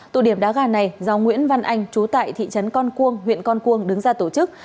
tụ điểm đá gà này do nguyễn văn anh chú tại thị trấn con cuông huyện con cuông đứng ra tổ chức